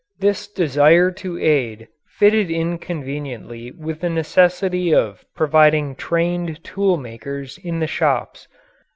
This desire to aid fitted in conveniently with the necessity of providing trained tool makers in the shops.